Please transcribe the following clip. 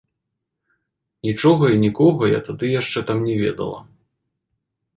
Нічога і нікога я тады яшчэ там не ведала.